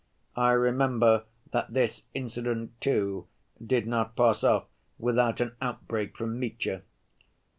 I remember that this incident, too, did not pass off without an outbreak from Mitya.